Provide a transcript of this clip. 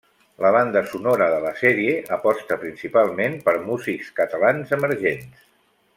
La banda sonora de la sèrie aposta principalment per músics catalans emergents.